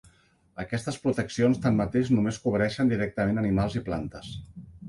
Aquestes proteccions tanmateix només cobreixen directament animals i plantes.